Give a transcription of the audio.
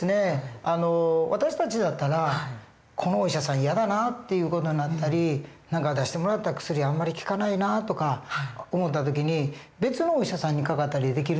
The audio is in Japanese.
私たちだったら「このお医者さん嫌だな」っていう事になったり「何か出してもらった薬あんまり効かないな」とか思った時に別のお医者さんにかかったりできるじゃないですか。